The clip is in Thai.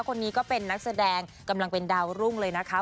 คนนี้ก็เป็นนักแสดงกำลังเป็นดาวรุ่งเลยนะคะ